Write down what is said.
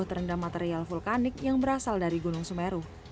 terendam material vulkanik yang berasal dari gunung semeru